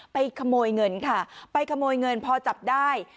ขโมยเงินค่ะไปขโมยเงินพอจับได้